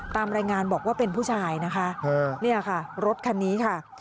ตามรายงานบอกว่าเป็นผู้ชายนะคะเนี่ยค่ะรถคันนี้ค่ะ